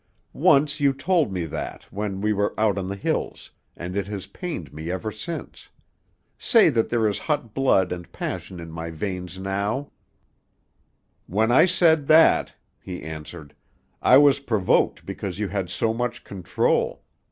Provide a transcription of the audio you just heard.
"Once you told me that when we were out on the hills, and it has pained me ever since. Say that there is hot blood and passion in my veins now." "When I said that," he answered, "I was provoked because you had so much control.